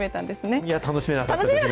いや、楽しめなかったですね。